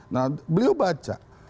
nah beliau baca